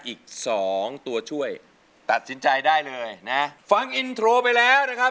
อีกสองตัวช่วยตัดสินใจได้เลยนะฟังอินโทรไปแล้วนะครับ